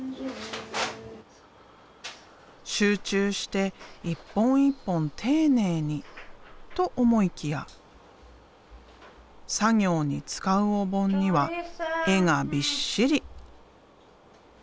集中して一本一本丁寧にと思いきや作業に使うお盆には絵がびっしり。